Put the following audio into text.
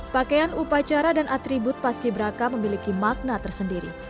pakaian upacara dan atribut paski beraka memiliki makna tersendiri